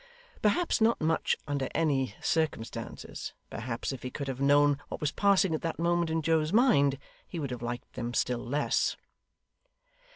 Perhaps not much under any circumstances. Perhaps if he could have known what was passing at that moment in Joe's mind, he would have liked them still less.